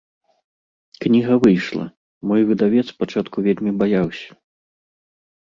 Кніга выйшла, мой выдавец спачатку вельмі баяўся.